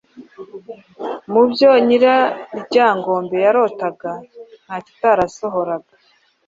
Mu byo Nyiraryangombe yarotaga ntakitarasohoraga.